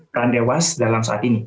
orang dewasa dalam saat ini